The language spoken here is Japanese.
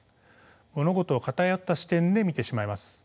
物事を偏った視点で見てしまいます。